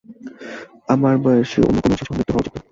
আমার বয়সী অন্য কোনো শিশুর মৃত্যু হওয়া উচিত নয়।